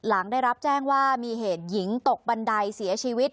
หลังได้รับแจ้งว่ามีเหตุหญิงตกบันไดเสียชีวิต